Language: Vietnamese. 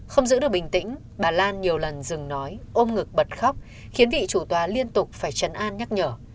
không giữ được bình tĩnh bà lan nhiều lần dừng nói ôm ngực bật khóc khiến vị chủ tòa liên tục phải chấn an nhắc nhở